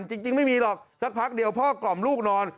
จริงไม่มีหรอกสักพักเดียวพ่อกล่อมลูกนอน